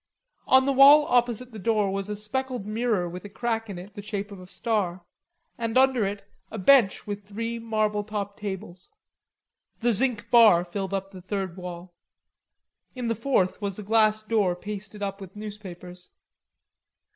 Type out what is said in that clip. On the wall opposite the door was a speckled mirror with a crack in it, the shape of a star, and under it a bench with three marble top tables. The zinc bar filled up the third wall. In the fourth was a glass door pasted up with newspapers.